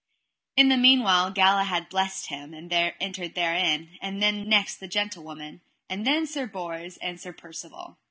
In the meanwhile Galahad blessed him, and entered therein; and then next the gentlewoman, and then Sir Bors and Sir Percivale.